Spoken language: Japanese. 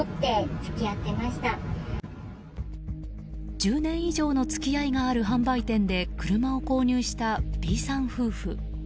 １０年以上の付き合いがある販売店で車を購入したＢさん夫婦。